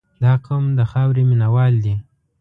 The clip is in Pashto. • دا قوم د خاورې مینه وال دي.